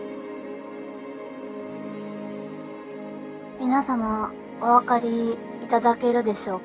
皆様お分かりいただけるでしょうか。